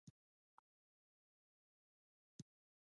سرپل ښار ولې تیلي دی؟